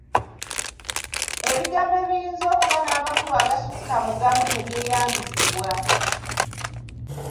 Ebigambo ebiyinza okuba n’amakulu agasukka mu gamu tebyeyambisibwa.